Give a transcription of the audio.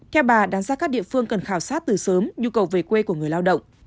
theo bà đánh giá các địa phương cần khảo sát từ sớm nhu cầu về quê của người lao động